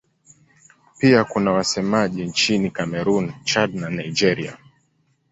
Pia kuna wasemaji nchini Kamerun, Chad na Nigeria.